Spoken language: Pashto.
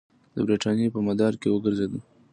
د برټانیې په مدار کې وګرځوي.